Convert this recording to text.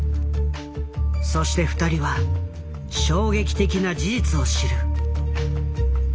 そして２人は衝撃的な事実を知る。